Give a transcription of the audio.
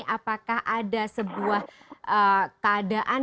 apakah ada sebuah keadaan